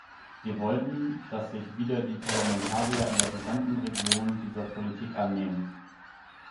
Wir wollten, dass sich wieder die Parlamentarier in der gesamten Region dieser Politik annehmen.